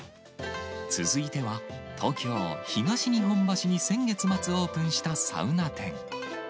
続いては東京・東日本橋に先月末オープンしたサウナ店。